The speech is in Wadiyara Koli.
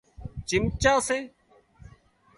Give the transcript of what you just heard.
چمچا سي